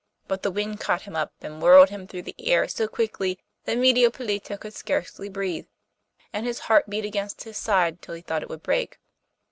But the wind caught him up, and whirled him through the air so quickly that Medio Pollito could scarcely breathe, and his heart beat against his side till he thought it would break.